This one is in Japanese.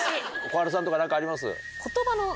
小春さんとか何かあります？